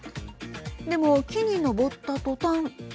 でも、木に登ったとたん。